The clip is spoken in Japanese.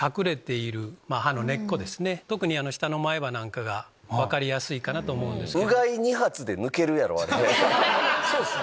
特に下の前歯なんかが分かりやすいと思うんですけど。